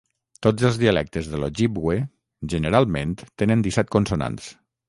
Tots els dialectes de l'ojibwe generalment tenen disset consonants.